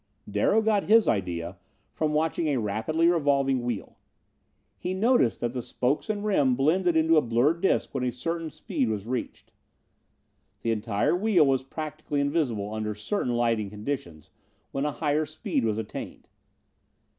"Darrow got his idea from watching a rapidly revolving wheel. He noticed that the spokes and rim blended into a blurred disc when a certain speed was reached. The entire wheel was practically invisible, under certain lighting conditions, when a higher speed was attained.